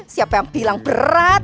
siapa yang bilang berat